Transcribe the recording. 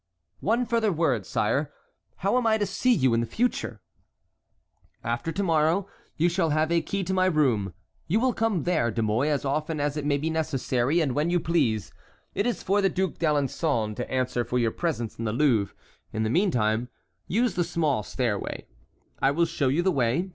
"One further word, sire. How am I to see you in future?" "After to morrow you shall have a key to my room. You will come there, De Mouy, as often as it may be necessary and when you please. It is for the Duc d'Alençon to answer for your presence in the Louvre. In the meantime, use the small stairway. I will show you the way.